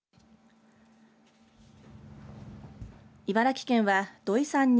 茨城県は土井さんに